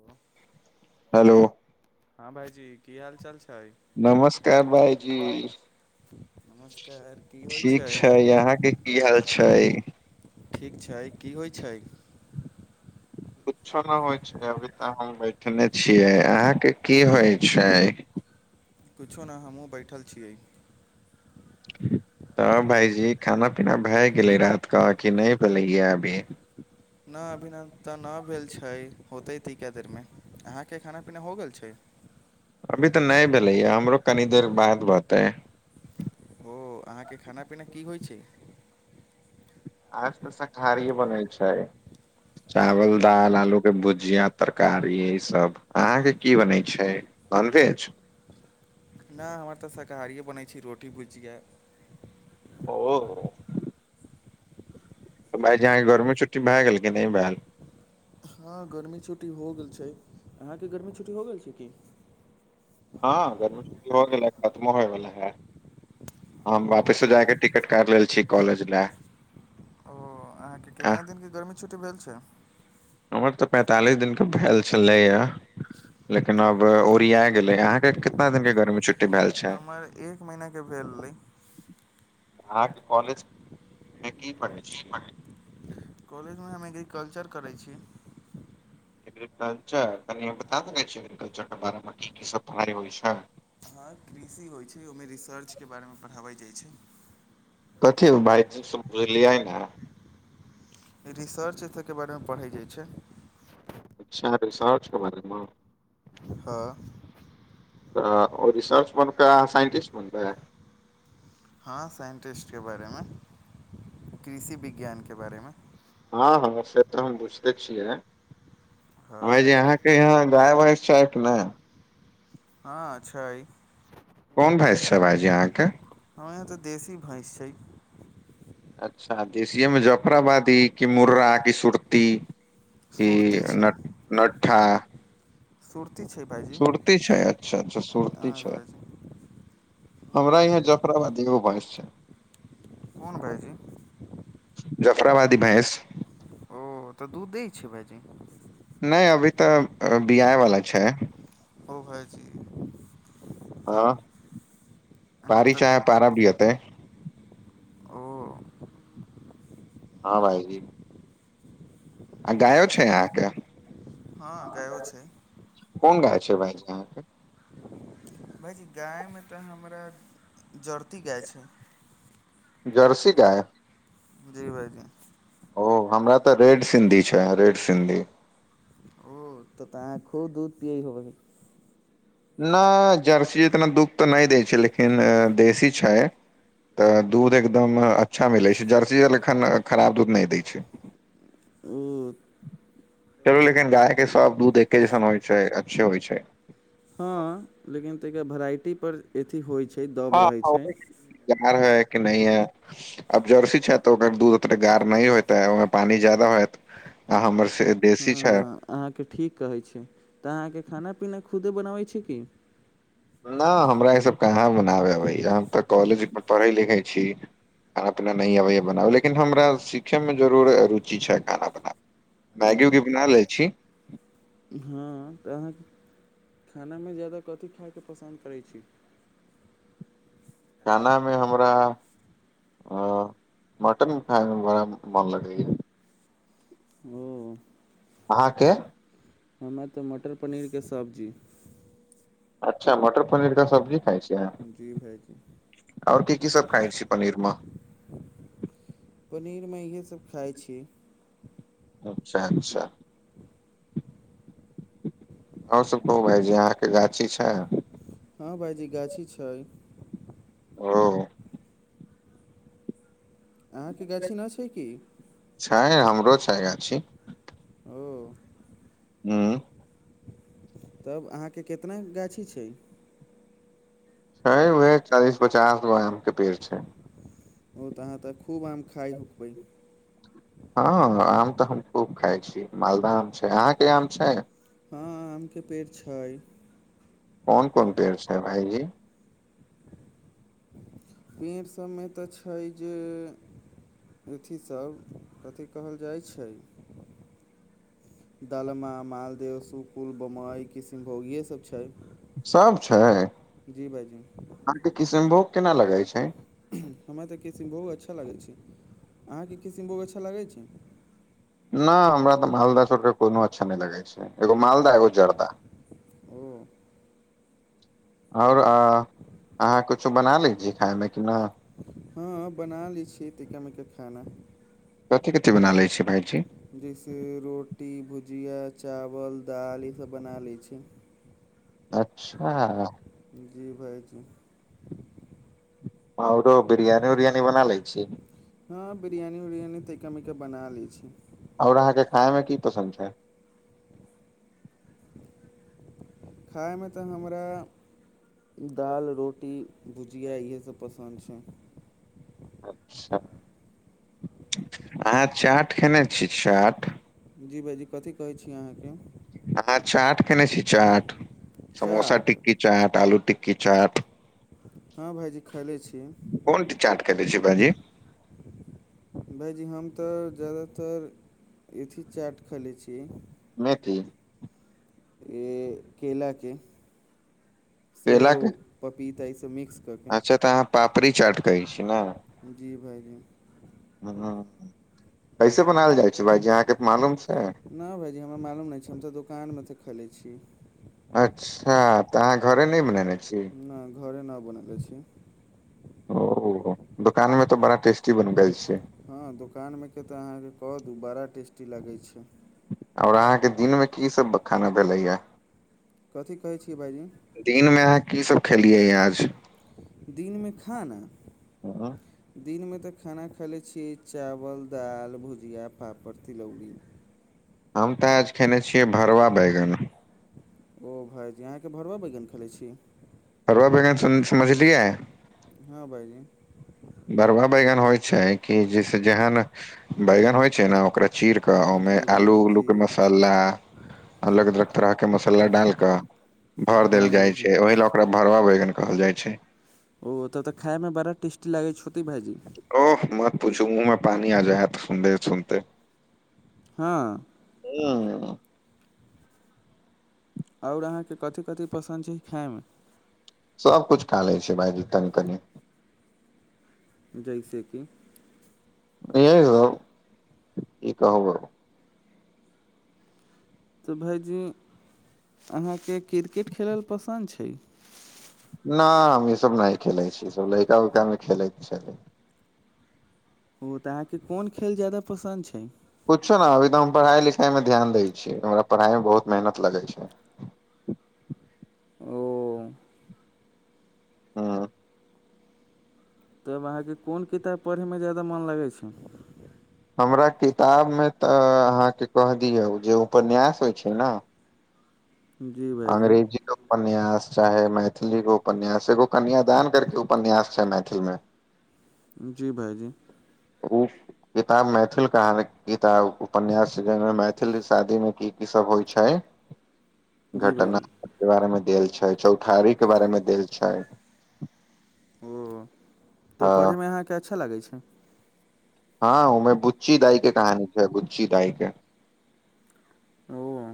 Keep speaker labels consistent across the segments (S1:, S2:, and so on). S1: हेल [unintelligible]
S2: हेलो
S1: हँ भाइजी की हालचाल छै
S2: नमस्कार भाइजी
S1: नमस्कार की होइ
S2: ठीक छै यहा के की हाल छै
S1: ठीक छै की होइत छै
S2: उच्छना होइ छै अभी तऽ हम बैठने छियै अहाँके की होइ छै
S1: कुछो नह हमहहुँ बैठल छियै
S2: तऽ भायजी खाना पीना भए गेलै रात क कि नहि भेलै या अभी
S1: न अभी न तऽ नहि भेल छै होते ती कए देरमे अहाँके खाना पीना हो गेल छै
S2: अभी तऽ नहि भेलैय हमरो कनी देर बाद बतै
S1: ओ अहाँके खाना पीना की होइ छै
S2: आज तऽ शाकाहारी बनै छै चावल दाल आलू के भुजिया तरकारी इ सब अहाँके की बनै छैय ननवेज
S1: न हमर तऽ शाकाहारियए बनै छै रोटी भुजिया
S2: ओ तऽ भाय जी अहाँके गर्मी छु्टी भय गेल कि नहि भय भेल
S1: हँ गर्मी छुट्टी हो गेल छै अहाँके गर्मी छुट्टी हो गेल छै की
S2: हँ गर्मी छुट्टी हो गेल हँ खत्मो होयवला हा हम
S1: ओ
S2: वापिसो जायके टिकट काटि लेले छिय कॉलेज लाए
S1: ओ अहाँके कितना दिनके गर्मी छुट्टी भेल छै
S2: हमर तऽ पैंतालिस दिनके भेल छलैए लेकिन अब ओरिया गेले अहाँ के कितना दिन के गर्मी छुटी
S1: हमर एक महिना के भेलय
S2: अहाँके कॉलेज मे की पढ़य
S1: की पढ़य कॉलेजमे हम एग्रीकल्चर करैय छी
S2: एग्रीकल्चर कनि ओयमे बता सकै छिय एग्रीकल्चर के बारे मे की की सब पढ़ाइ होइ छैय
S1: हाँ कृषि होइ छैय ओहिमे रिसर्च के बारे मे पढ़ावै जाइ छैय
S2: कथी बाइसँ बुझलियै ने [inaudible]
S1: रिसर्च एहि सभके बारेमे पढ़ैय जाइय छैय
S2: साह रिचर्सके बारेमे
S1: हँ
S2: तऽ ओ रिसर्च बनके अहाँ साइन्टिस्ट बनबैह
S1: हँ साइन्टिस्टके बारेमे कृषि विज्ञानके बारेमे
S2: हँ हँ से तऽ हम बुझिते छियै
S1: हँ
S2: भाई जी अहाँके यहाँ गाय वाय छैत ने
S1: हँ छै
S2: कोन भांइस छै भाइजी अहाँके
S1: हँ तऽ देशी भैंस छै
S2: अच्छा देसियएमे जफराबादी कि मुर्रा कि सुरती की
S1: सुरती छै
S2: न नठा
S1: सुरती छै भाइजी
S2: सुुरती छै अच्छा अच्छा सुरती छै
S1: अहाँके भाइजी
S2: हमरा यहाँ जफराबादी एगो भांइस छै
S1: कोन भाईजी
S2: जफराबादी भैंस
S1: ओ तऽ दूध दै छै भायजी
S2: नहि अभी तऽ बिआ वाला छै
S1: ओ भाइजी
S2: हँ
S1: तब अहाँ
S2: पारी
S1: तऽ
S2: चाहे पारा बिएतै
S1: ओ
S2: हँ भाइजी आ गायो छै अहाँके
S1: हँ गायों छै
S2: कोन गाय छै भायजी अहाँके
S1: भायजी गायमे तऽ हमरा जरती गाय छै
S2: जर्सी गाय
S1: जी भाइजी
S2: ओ हमरा तऽ रेड सिन्धी छै रेड सिन्धी
S1: ओ तऽ त अहाँ खूब दूध पियएै होबै
S2: नहि जर्सी इतना दुध तऽ नहि दै छै लेकिन देशी छै तऽ दूध एकदम अच्छा मिले छै जर्सी जन एखन खराब दूध न नहि दै छै
S1: ओ
S2: चलू लेकिन गाय के सभ दूध एके जइसन होइ छै अच्छे होइ छै
S1: हँ लेकिन ता वेराइटी पर एथी होइ छै
S2: [inaudible]
S1: दब रहै छै
S2: अब जर्सी छै तऽ ओकर दूध ओते गार नहि होतै ओहिमे पानि ज्यादा होत आ हमर से देशी
S1: हँ
S2: छै
S1: हँ अहाँके ठीक कहै छै तऽ अहाँके खाना पीना खुदे बनाबै छै की
S2: नहि हमरा ईसभ कहाँ बनाबे अबैया हम तऽ कॉलेजमे पढ़ै लिखै छी खाना पीना नहि अबैए बनाब लेकिन हमरा सिखैमे जरूर रुचि छै खाना बनाब
S1: ओ
S2: मैगी उगी बना लै छी
S1: हँ तऽ अहाँके खानामे ज्यादा कथी खायके पसन्द करै छी
S2: खानामे हमरा मटन खाइमे बड़ा मोन लगैएा
S1: ओ
S2: अहाँके
S1: हमारा तऽ मटर पनीरके सब्जी
S2: अच्छा मटर पनीर का सब्जी खाइ छैह
S1: जी भायजी
S2: ओर की की सब खाइ छी पनीर मे
S1: पनीरमे इहे सब खाइ छी
S2: अच्छा अच्छा आर सब कहू भायजी अहाँके गाछी छै
S1: हँ भाइजी गाछी छै
S2: ओ
S1: अहाँके गाछी नहि छै की
S2: छै हमरो छै गाछी
S1: ओ
S2: हँ
S1: तब अहाँके कितना गाछी छै
S2: छै उह चालीस पचास गो आम के पेड़ छै
S1: ओ तऽ अहाँ तऽ खूब आम खाइ हुकबै
S2: हँ आम तऽ हम खूब खाइ छी मालदह आम छै अहाँके आम छै
S1: हँ आम के पेड़ छै
S2: कोन कोन पेड़ छ भाइजी
S1: पेड़ सभमे तऽ छै जे अथिसभ कथि कहल जाइ छै दलमा मालदेव सुकुल बमइ किशनभोग इएहसभ छै
S2: सब छै
S1: जी भाइजी
S2: अहाँके किसनभोग केना लगै छै
S1: हमरा तऽ किशनभोग अच्छा लगैत छै अहाँके किशनभोग अच्छा लागैत छै
S2: नहि हमरा तऽ मालदह छोड़ कऽ कोनो अच्छा नहि लगैत छै एगो मालदह एगो जर्दा
S1: ह्म
S2: और आ अहाँ कुछो बना लै छी खाइमे कि नह
S1: हँ बना लैत छियै तैका मैका खाना
S2: कथी कथी बना लै छी भाइजी
S1: जैसे रोटी भुजिया चावल दाल ईसभ बना लै छी
S2: अच्छा
S1: जी भाइजी
S2: औरो बिरयानी उरियानी बना लै छी
S1: हँ बिरयानी उरियानी तैका मैका बना लै छी
S2: ओर अहाँके खाय मे की पसन्द छै
S1: खायमे तऽ हमरा दालि रोटी भुजिया इएहे सब पसन्द न छैन
S2: अच्छा अहाँ चाट खैने छियै चाट
S1: जी भायजी कथी कहैत छी अहाँके
S2: अहां चाट खेने छी चाट समोसा
S1: चाट
S2: टिक्की चाट आलू टिक्की चाट
S1: हँ भाइजी खयले छियै
S2: कोन चाट खैले छियै भायजी
S1: भाइजी हम तऽ जादातर अथी चाट खेलै छियै
S2: मेथी
S1: ई केलाके
S2: केला
S1: सेव
S2: के
S1: पपीता ई सब मिक्स कऽ के
S2: अच्छा तऽ अहाँ पापड़ी चाट कहै छै न
S1: जी भाइजी
S2: ह कैसे बनायल जाइ छै भाइजी अहाँके मालूम छै
S1: नहि भाइजी हमरा मालूम नहि छै हम तऽ दोकानमे तऽ खेलै छियै
S2: अच्छा तऽ अहाँ घरे नहि बनेने छी
S1: न घरे न बनैले छी
S2: ओ दोकानमे तऽ बड़ा टेस्टी बनबै छै
S1: हँ दोकानमे के तऽ अहाँके कह दु बड़ा टेस्टी लागै छै
S2: और अहाँके दिनमे की सब खाना भेलैया
S1: कथी कहै छियै भाइजी
S2: दिन मे अहाँ की सब खेलियै आज
S1: दिन मे खाना
S2: हँ।
S1: दिनमे तऽ खाना खैले छियै चावल दालि भुजिया पापड़ तिलौरी
S2: हम तऽ आज खैने छियै भरुवा बैगन
S1: ओ भाइजी अहाँके भरुवा बैगन खेलै छी
S2: भरुआ बैगन स समझलियै
S1: हँ भाईजी
S2: भरुआ बैगन होइ छै कि जैसे जेहन बैगन होइ छै ने ओकरे चीर कऽ ओहिमे
S1: जी
S2: आलू
S1: भाइजी
S2: उलू
S1: जी
S2: के मसाला अलग अलग तरह के मसाला डाल कऽ भर देल
S1: हँ
S2: जाइ
S1: भाइजी
S2: छै ओहि लऽ ओकरा भरुवा बैगन कहल जाय छै
S1: ओ तऽ तऽ खाइमे बड़ा टेस्टी लागैत छ होतै भाईजी
S2: ओह मत पूछू मुंह में पानी आ जायत सुनते सुनते
S1: हँ
S2: ह
S1: और अहाँके कथि कथि पसन्द छै खायमे
S2: सब कुछु खालै छै भायजी तानी कनी
S1: जैस कि
S2: यौ कि कहूँ आब
S1: तऽ भाइजी अहाँके क्रिकेट खेलल पसन्द छै
S2: न हम ई सब नहि खेलै छी सब लैड़का उइका मे खेलेके छल
S1: ओ तऽ अहाँके कोन खेल जायादा पसन्द छै
S2: कुछो ने अभी तऽ हम पढ़ाई लिखाई मे ध्यान दै छीय हमरा पढ़ाई मे बहुत मेहनत लगै छै
S1: ओ
S2: हु
S1: तब अहाँके कोन किताब पढ़ैमे ज्यादा मोन लगै छै
S2: हमरा किताब मे तऽ अहाँके कह दियौ जे उपन्यास होइ छै ने
S1: जी भाइजी
S2: अंग्रेजी उपन्यास चाहे मैथिली ग उपन्यास एगो कन्याादान करके उपन्यास छै मैथिल में
S1: जी भाइजी
S2: उ किताब मैथिल कहानी किताब उपन्यास मैथिल शादीमे की की सब होइ छै
S1: [inaudible] भाइजी
S2: घटना के बारेमे देल छै चौठारी के बारेमे देल छै
S1: ओ तऽ ओ
S2: अ
S1: पढ़ैमे अहाँके अच्छा लागै छै
S2: हँ उमे बुच्ची दाई के कहानी छै बुच्ची दाई के
S1: ओ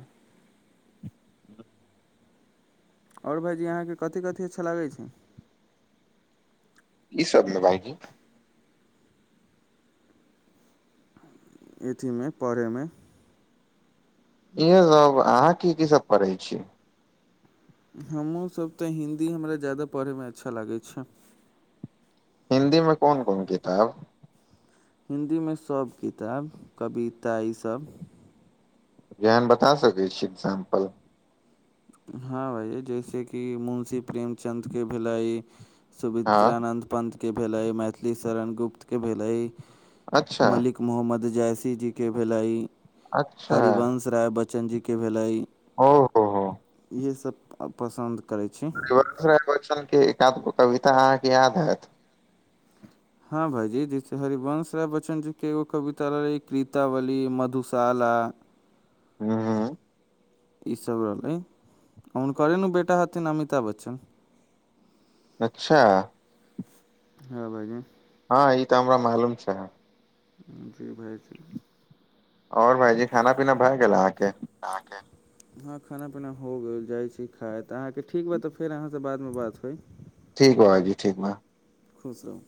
S2: [inaudible]
S1: और भाइजी अहाँके कथि कथि अच्छा लागै छै
S2: ई सब ने भइजी
S1: अथीमे पढ़ैमे
S2: इहे अब अहाँ की की सब पढ़ै छीय
S1: हमहूँसब तऽ हिन्दी हमरा ज्यादा पढ़ैमे अच्छा लागैत छै
S2: हिन्दी में कोन कोन किताब
S1: हिन्दी मे सब किताब कविता ई सब
S2: गियां बता सकै छी एग्जाम्पल
S1: हँ भइ जैसे कि मुंशी प्रेमचद के भेलै
S2: हँ
S1: सुमित्रानन्द पन्तके भेलै मैथिली शरण गुप्त के भेलै
S2: अच्छा
S1: मलिक मोहम्मद जैसी जीके भेलै
S2: अच्छा
S1: हरिवंश राय बच्चन जीके भेलै
S2: ओ ओ हो
S1: इएहे सभ पसन्द करै छी
S2: बच्चन के एकध गो कविता अहाँके याद हयत
S1: हँ भाइजी जैसे हरिवंश राय बच्चन जीके एगो कविता रहलै क्रीतावली मधुशाला
S2: हु हु
S1: ईसभ रहलै हुनकरे ने बेटा हथिन अमिताभ बच्चन
S2: अच्छा
S1: हँ भाईजी
S2: हँ ई तऽ हमरा मालूम छै
S1: जी भाईजी
S2: और भाईजी खाना पीना भए गेल अहाँके
S1: अहाँके हँ खाना पीना हो गेल जाइत छी खाय तऽ अहाँके ठीक बात तऽ फेर अहाँसँ बादमे बात होइ
S2: ठीक भाइजी ठीक बा
S1: खुश रहू